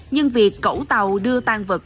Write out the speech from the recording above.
nhưng việc cẩu tàu đưa tàn vật